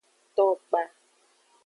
Ton kpa.